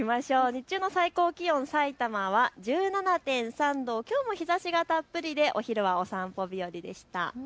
日中の最高気温、さいたまは１７．３度、きょうも日ざしがたっぷりでお昼はお散歩日和でした。